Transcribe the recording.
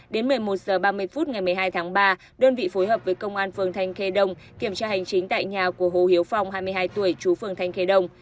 đến một mươi một h ba mươi phút ngày một mươi hai tháng ba đơn vị phối hợp với công an phường thanh khê đông kiểm tra hành chính tại nhà của hồ hiếu phong hai mươi hai tuổi chú phường thanh khê đông